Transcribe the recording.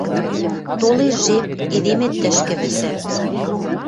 Толеш жеп, эдемет тӹшкӹ вӹсӓ